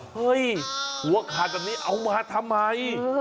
เฮ้ยหัวขาดแบบนี้เอามาทำไม